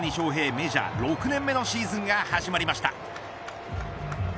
メジャー６年目のシーズンが始まりました。